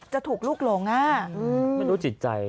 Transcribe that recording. จะถูกลูกหลงไม่รู้จิตใจ